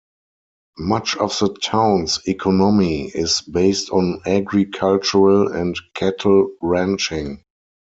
Much of the town's economy is based on agricultural and cattle ranching.